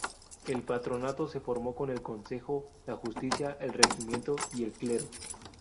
El patronato se formó con el Consejo, la Justicia, el Regimiento y el Clero.